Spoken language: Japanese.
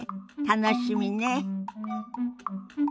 楽しみね。